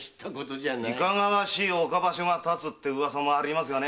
いかがわしい岡場所が建つという噂もありますがね。